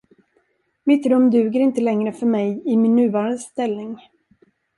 Mitt rum duger inte längre för mig i min nuvarande ställning.